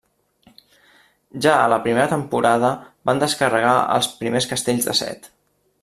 Ja a la primera temporada van descarregar els primers castells de set.